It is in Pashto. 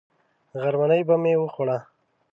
غرمنۍ به مې وخوړه.